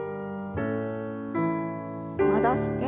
戻して。